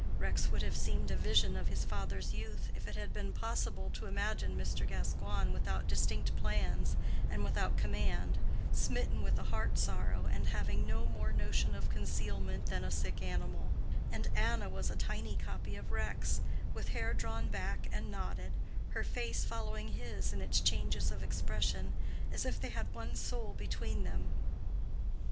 Rex would have seemed a vision of his father's youth, if it had been possible to imagine Mr. Gascoigne without distinct plans and without command, smitten with a heart sorrow, and having no more notion of concealment than a sick animal; and Anna was a tiny copy of Rex, with hair drawn back and knotted, her face following his in its changes of expression, as if they had one soul between them.